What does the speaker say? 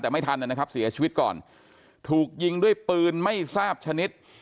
แต่ไม่ทันนะครับเสียชีวิตก่อนถูกยิงด้วยปืนไม่ทราบชนิด